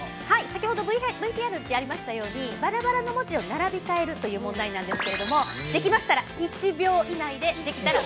◆先ほど、ＶＴＲにありましたようにバラバラの文字を並び替えるという問題なんですけれども、できましたら１秒以内でできたら。